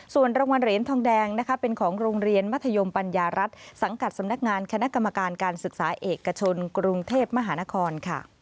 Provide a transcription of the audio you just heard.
ส่วนรางวัลเหรียญทองแดงเป็นของโรงเรียนมัธยมปัญญารัฐสังกัดสำนักงานคณะกรรมการการศึกษาเอกชนกรุงเทพมหานคร